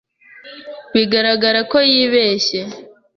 Bigaragara ko yibeshye.